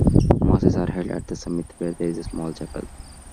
Masses are held at the summit, where there is a small chapel.